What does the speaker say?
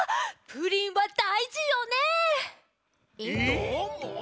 どーも？